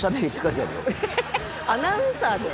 えアナウンサーで？